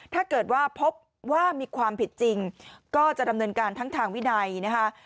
ถ้าเกิดว่าพบว่ามีความผิดจริงก็จะดำเนินการทั้งทางวินัยนะคะ